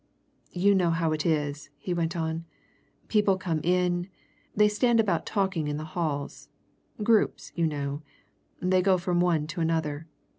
"You know how it is," he went on. "People come in they stand about talking in the hall groups, you know they go from one to another.